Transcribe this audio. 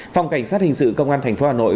phòng cảnh sát hình sự công an thành phố hà nội